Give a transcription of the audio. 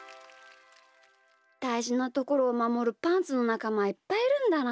だいじなところをまもるパンツのなかまはいっぱいいるんだな。